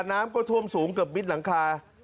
น้ำก็ท่วมสูงเกือบมิดหลังคา